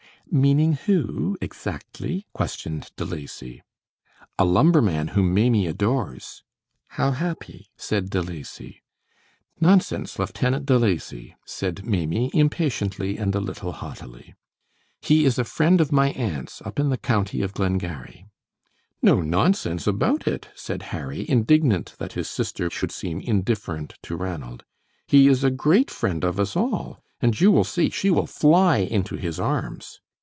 "Meaning who, exactly?" questioned De Lacy. "A lumberman whom Maimie adores." "How happy!" said De Lacy. "Nonsense, Lieutenant De Lacy," said Maimie, impatiently and a little haughtily; "he is a friend of my aunt's up in the county of Glengarry." "No nonsense about it," said Harry, indignant that his sister should seem indifferent to Ranald. "He is a great friend of us all; and you will see she will fly into his arms."